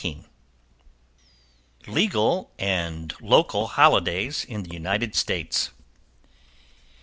= _Legal and Local Holidays in the United States.